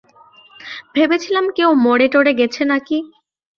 ভেবেছিলাম কেউ মরে-টরে গেছে নাকি!